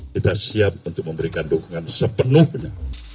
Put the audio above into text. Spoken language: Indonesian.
kita siap untuk memberikan dukungan sepenuhnya